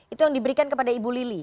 itu yang diberikan kepada ibu lili